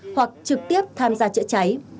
hoặc trực tiếp tham gia chữa cháy